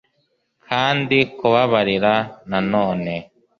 kandi kubabarira na none